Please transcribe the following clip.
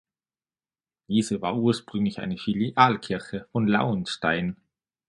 Diese war ursprünglich eine Filialkirche von Lauenstein.